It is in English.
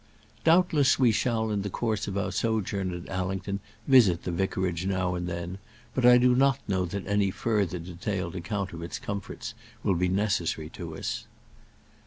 Doubtless we shall in the course of our sojourn at Allington visit the vicarage now and then, but I do not know that any further detailed account of its comforts will be necessary to us.